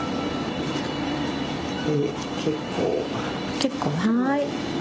結構はい。